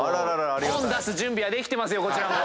本出す準備はできてますよこちらも。